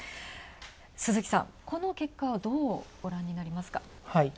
鈴木さん、この結果はどうご覧になりますか？